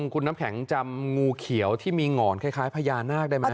คุณน้ำแข็งจำงูเขียวที่มีหงอนคล้ายพญานาคได้ไหม